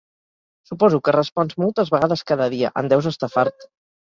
Suposo que respons moltes vegades cada dia, en deus estar fart.